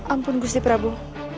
ampun gusti prabu